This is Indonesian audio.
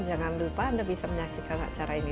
jangan lupa anda bisa menyaksikan acara ini